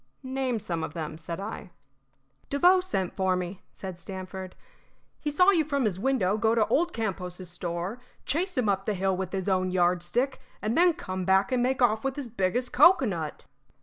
"Name some of them," said I. "Devoe sent for me," said Stamford. "He saw you from his window go to old Campos' store, chase him up the hill with his own yardstick, and then come back and make off with his biggest cocoanut."